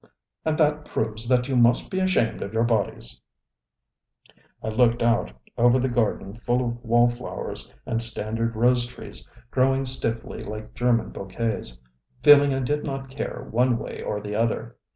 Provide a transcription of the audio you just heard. ŌĆØ ŌĆ£And that proves that you must be ashamed of your bodice. ŌĆØ I looked out over the garden full of wall flowers and standard rose trees growing stiffly like German bouquets, feeling I did not care one way or the other.